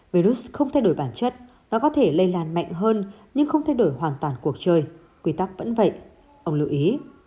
virus không thay đổi bản chất nó có thể lây lan mạnh hơn nhưng không thay đổi hoàn toàn cuộc chơi quy tắc vẫn vậy ông lưu ý